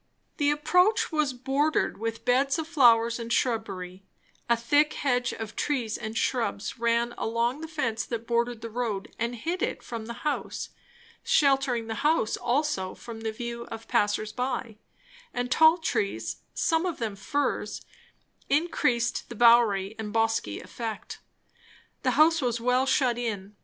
The approach was bordered with beds of flowers and shrubbery; a thick hedge of trees and shrubs ran along the fence that bordered the road and hid it from the house, sheltering the house also from the view of passers by; and tall trees, some of them firs, increased the bowery and bosky effect. The house was well shut in.